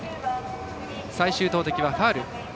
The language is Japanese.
最終投てきはファウル。